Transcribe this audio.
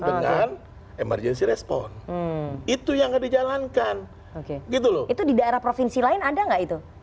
dengan emergency response itu yang nggak dijalankan gitu loh itu di daerah provinsi lain ada nggak itu